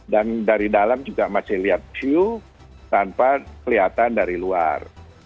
dan dari dalam juga masih lihat view tanpa kelihatan dari luar